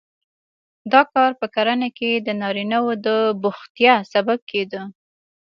دا کار په کرنه کې د نارینه وو د بوختیا سبب کېده